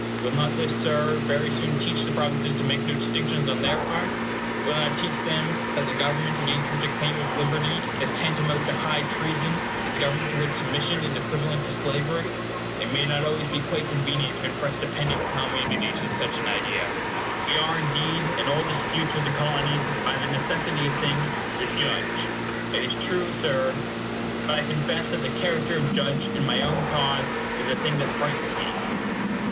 Will not this, Sir, very soon teach the provinces to make no distinctions on their part? Will it not teach them that the government, against which a claim of liberty is tantamount to high treason, is a government to which submission is equivalent to slavery? It may not always be quite convenient to impress dependent communities with such an idea. We are, indeed, in all disputes with the Colonies, by the necessity of things, the judge. It is true, Sir. But I confess that the character of judge in my own cause is a thing that frightens me.